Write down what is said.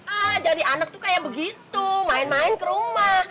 ah dari anak tuh kayak begitu main main ke rumah